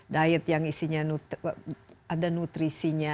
diet yang isinya ada nutrisinya